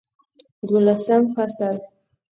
دولسم فصل